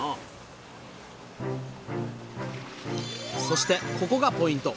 そしてここがポイント！